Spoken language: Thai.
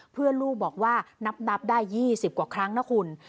เพื่อนลูกบอกว่านับได้๒๐กว่าครั้งนะคุณ